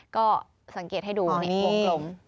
ก็สังเกตให้ดูนี่หลง